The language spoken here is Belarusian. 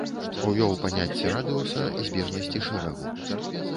Увёў паняцце радыуса збежнасці шэрагу.